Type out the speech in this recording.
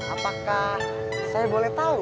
apakah saya boleh tahu